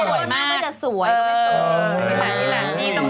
พอใช้แล้วสั้นก็จะสวย